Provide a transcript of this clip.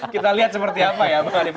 kita lihat seperti apa ya